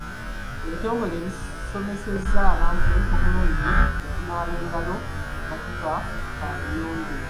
Ebitongole bisomesezza abantu obulungi mu kunaaba engalo nga tuva mu kaabuyonjo